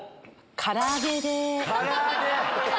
から揚げ！